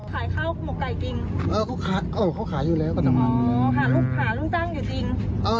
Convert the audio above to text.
ขายข้าวหมวกไก่กินเออเออเขาขายอยู่แล้วเขาทำงานอยู่แล้ว